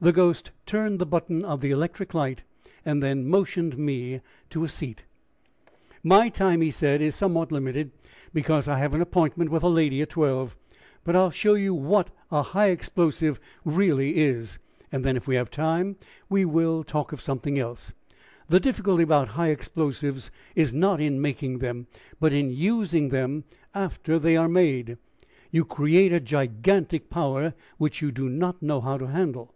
The ghost turned the button of the electric light, and then motioned me to a seat. "My time," he said, "is somewhat limited, because I have an appointment with a lady at twelve, but I will show you what a high explosive really is, and then if we have time we will talk of something else. The difficulty about high explosives is not in making them, but in using them after they are made; you create a gigantic power which you do not know how to handle.